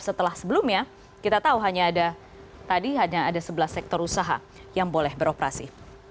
setelah sebelumnya kita tahu hanya ada tadi hanya ada sebelas sektor usaha yang boleh beroperasi